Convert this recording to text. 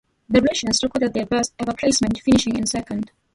The Russians recorded their best ever placement, finishing in second.